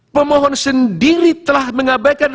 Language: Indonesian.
pemohon sendiri telah mengabaikan